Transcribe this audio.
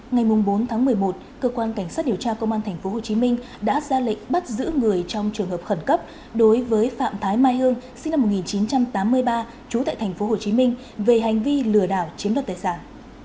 ngày bốn tháng một mươi một cơ quan cảnh sát điều tra công an tp hcm đã ra lệnh bắt giữ người trong trường hợp khẩn cấp đối với phạm thái mai hương sinh năm một nghìn chín trăm tám mươi ba trú tại tp hcm về hành vi lừa đảo chiếm đoạt tài sản